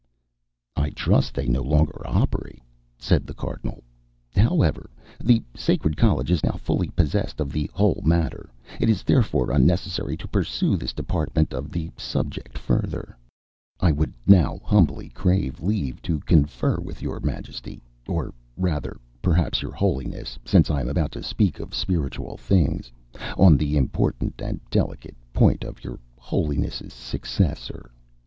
"I trust that they no longer operate," said the Cardinal. "However, the Sacred College is now fully possessed of the whole matter: it is therefore unnecessary to pursue this department of the subject further. I would now humbly crave leave to confer with your Majesty, or rather, perhaps, your Holiness, since I am about to speak of spiritual things, on the important and delicate point of your Holiness's successor.